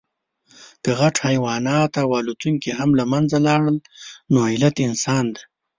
که غټ حیوانات او الوتونکي هم له منځه لاړل، نو علت انسان دی.